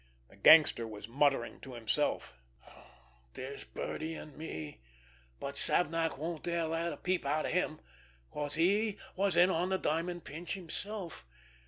The gangster was muttering to himself: "There's Birdie and me. But Savnak won't dare let a peep out of him, 'cause he was in on the diamond pinch himself.